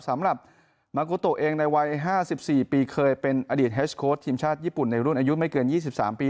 สำหรับมากุโตะเองในวัย๕๔ปีเคยเป็นอดีตเฮสโค้ดทีมชาติญี่ปุ่นในรุ่นอายุไม่เกิน๒๓ปี